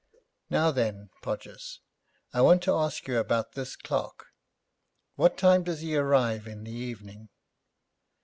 'Now then, Podgers, I want to ask you about this clerk. What time does he arrive in the evening?'